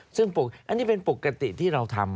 ซึ่งปลูกอันนี้เป็นปกติที่เราทำ